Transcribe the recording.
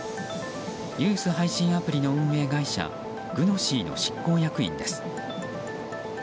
ニュース配信アプリの運営会社Ｇｕｎｏｓｙの執行役員です。